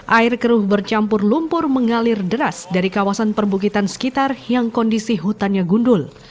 air keruh bercampur lumpur mengalir deras dari kawasan perbukitan sekitar yang kondisi hutannya gundul